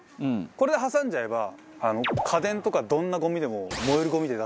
これで挟んじゃえば家電とかどんなゴミでも燃えるゴミで出していい。